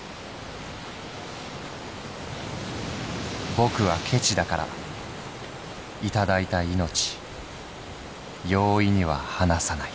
「ぼくはケチだから戴いた命容易には離さない」。